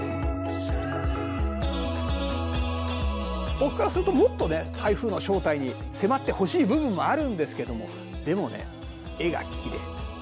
僕からするともっとね台風の正体に迫ってほしい部分もあるんですけどもでもね絵がきれい。